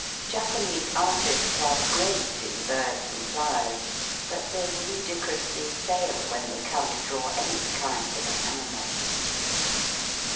Japanese artists are great in birds and flowers, but they ludicrously fail when they come to draw any kind of an animal.